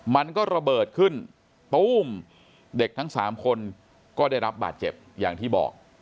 มันก็ระเบิดขึ้นตู้มเด็กทั้งสามคนก็ได้รับบาดเจ็บอย่างที่บอก